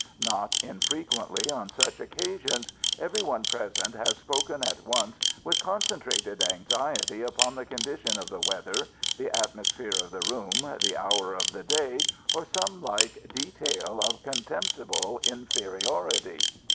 Not infrequently on such occasions every one present has spoken at once with concentrated anxiety upon the condition of the weather, the atmosphere of the room, the hour of the day, or some like detail of contemptible inferiority.